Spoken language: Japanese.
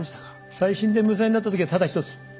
再審で無罪になったときはただ１つ！